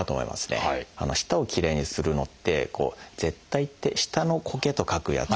舌をきれいにするのって「舌苔」って「舌」の「苔」と書くやつ。